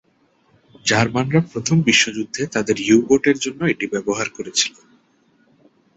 জার্মানরা প্রথম বিশ্বযুদ্ধে তাদের ইউ-বোটের জন্য এটি ব্যবহার করেছিল।